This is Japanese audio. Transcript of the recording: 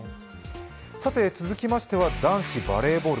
続きましては男子バレーボール。